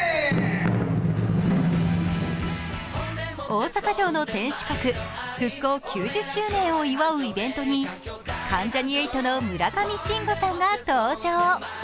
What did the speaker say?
大阪城の天守閣復興９０周年を祝うイベントに関ジャニ∞の村上信五さんが登場。